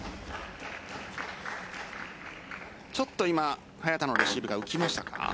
ちょっと今早田のレシーブが浮きましたか。